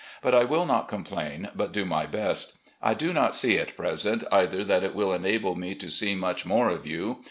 But I will not complain, but do my best. I do not see at present either that it will enable me to see much more of you.